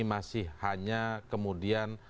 masih hanya kemudian